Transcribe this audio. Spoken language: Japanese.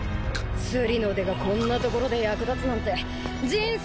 スリの腕がこんなところで役立つなんて人生